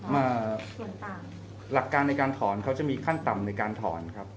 มาหลักการในการถอนเขาจะมีขั้นต่ำในการถอนครับ